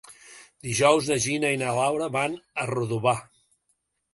Dijous na Gina i na Laura van a Redovà.